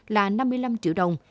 là năm mươi năm triệu đồng